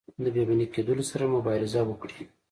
د بیاباني کیدلو سره مبارزه وکړي.